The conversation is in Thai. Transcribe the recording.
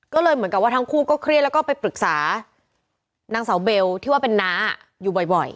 ก็เลยเหมือนกับว่าทั้งคู่ก็เครียดแล้วก็ไปปรึกษานางสาวเบลที่ว่าเป็นน้าอยู่บ่อย